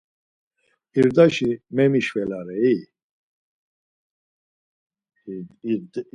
İrdaşi memişvelarei?